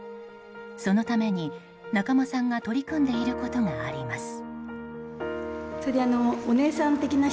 そのために中間さんが取り組んでいることがあります。